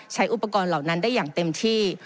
ใช้อุปกรณ์เหล่านั้นได้อย่างเต็มที่